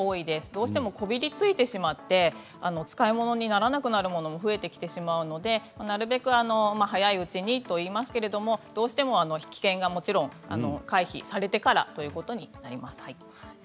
どうしてもこびりついてしまって使い物にならなくなるものも増えてきてしまうのでなるべく早いうちにといいますけれどもどうしても危険が回避されてからということになります。